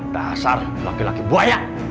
dasar laki laki buaya